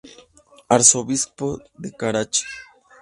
Arzobispo de Karachi.